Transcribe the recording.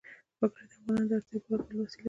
وګړي د افغانانو د اړتیاوو د پوره کولو وسیله ده.